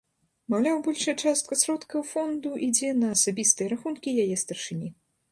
Маўляў, большая частка сродкаў фонду ідзе на асабістыя рахункі яе старшыні.